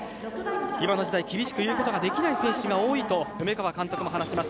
今の時代厳しく言うことができない選手が多いと梅川監督も話します。